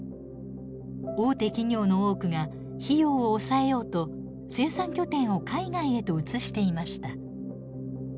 大手企業の多くが費用を抑えようと生産拠点を海外へと移していました。